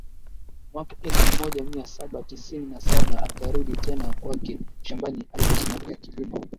Mwaka elfu moja mia saba tisini na saba akarudi tena kwake shambani aliposimamia kilimo